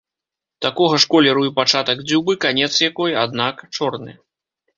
Такога ж колеру і пачатак дзюбы, канец якой, аднак, чорны.